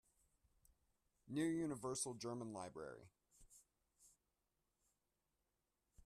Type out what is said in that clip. New Universal German Library.